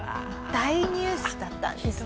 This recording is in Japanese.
大ニュースだったんですね